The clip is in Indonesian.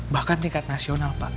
bahkan tingkat nasional pak